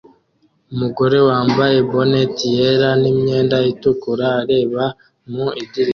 Umugore wambaye bonnet yera n imyenda itukura areba mu idirishya